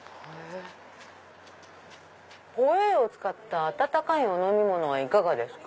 「ホエイを使った温かいお飲み物はいかがですか？」。